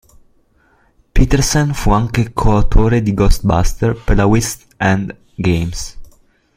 Petersen fu anche coautore di "Ghostbusters" per la West End Games.